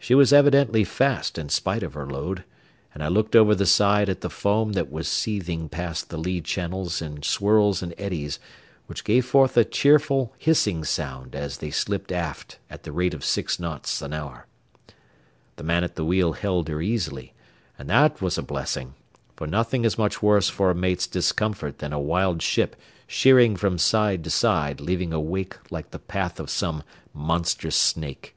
She was evidently fast in spite of her load, and I looked over the side at the foam that was seething past the lee channels in swirls and eddies which gave forth a cheerful hissing sound as they slipped aft at the rate of six knots an hour. The man at the wheel held her easily, and that was a blessing; for nothing is much worse for a mate's discomfort than a wild ship sheering from side to side leaving a wake like the path of some monstrous snake.